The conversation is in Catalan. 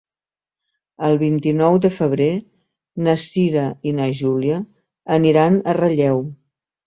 El vint-i-nou de febrer na Cira i na Júlia aniran a Relleu.